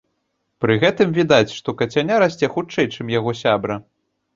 Пры гэтым відаць, што кацяня расце хутчэй, чым яго сябра.